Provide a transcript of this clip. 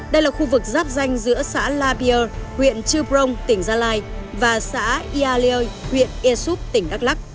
đây là khu vực giáp danh giữa xã la pierre huyện chư prong tỉnh gia lai và xã yalier huyện esup tỉnh đắk lắc